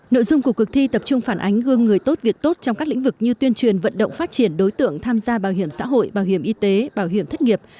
nội dung của cuộc thi tập trung phản ánh gương người tốt việc tốt trong các lĩnh vực như tuyên truyền vận động phát triển đối tượng tham gia bảo hiểm xã hội bảo hiểm y tế bảo hiểm thất nghiệp